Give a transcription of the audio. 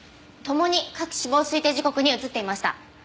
ともに各死亡推定時刻に映っていました。